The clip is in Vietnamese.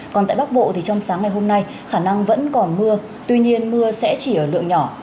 còn tại bắc bộ thì trong sáng ngày hôm nay khả năng vẫn còn mưa tuy nhiên mưa sẽ chỉ ở lượng nhỏ